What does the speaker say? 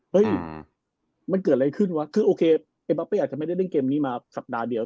เฮ้ยมันเกิดอะไรขึ้นวะคือโอเคไอ้ป๊อปเป้อาจจะไม่ได้เล่นเกมนี้มาสัปดาห์เดียว